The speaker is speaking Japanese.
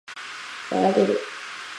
ｗ らげ ｒ